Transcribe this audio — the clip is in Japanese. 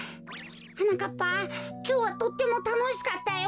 はなかっぱきょうはとってもたのしかったよ。